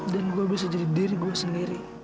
dan gue bisa jadi diri gue sendiri